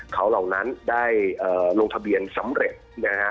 เขาเหล่านั้นได้ลงทะเบียนสำเร็จนะฮะ